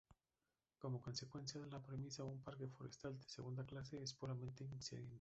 Como consecuencia, la premisa "un parque forestal de segunda clase" es puramente incidental.